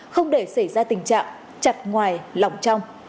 không để xảy ra tình trạng chặt ngoài lỏng trong